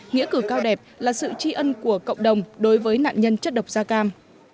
nghĩa cử cao đẹp là sự tri ân của cộng đồng đối với nạn nhân chất độc da cam